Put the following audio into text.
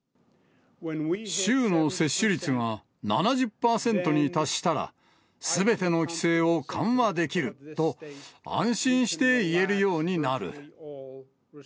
州の接種率が７０％に達したら、すべての規制を緩和できると、安心して言えるようになる。